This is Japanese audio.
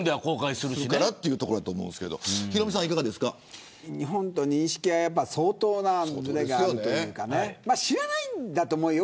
するからというところだと思うんですけど日本と認識は相当なずれがあるというか知らないんだと思うんだよ。